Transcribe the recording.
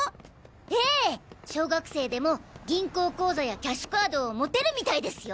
ええ小学生でも銀行口座やキャッシュカードを持てるみたいですよ。